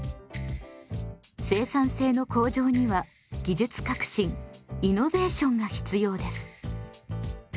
生産性の向上には技術革新イノベーションが必要です。